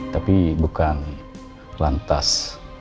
tapi bukan lantas